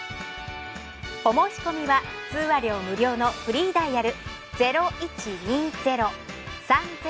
お申し込みは通話料無料のフリーダイヤル。